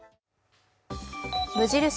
無印